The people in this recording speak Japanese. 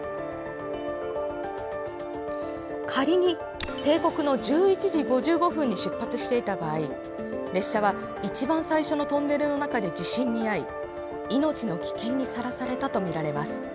仮に定刻の１１時５５分に出発していた場合列車は一番最初のトンネルの中で地震に遭い命の危険にさらされたとみられます。